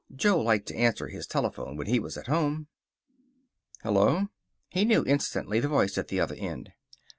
Jo liked to answer his telephone when he was at home. "Hello!" He knew instantly the voice at the other end.